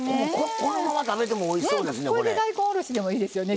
このまま食べてもおいしそうですね。